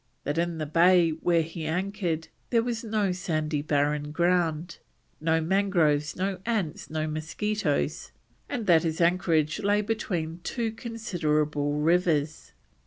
That in the bay where he anchored there was no sandy barren ground, no mangroves, no ants, no mosquitoes, and that his anchorage lay between two considerable rivers.